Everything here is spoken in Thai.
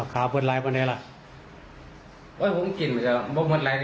ครับ